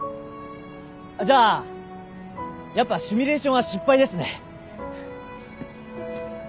あっじゃあやっぱシミュレーションは失敗ですね。